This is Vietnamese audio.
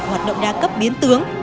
hoạt động đa cấp biến tướng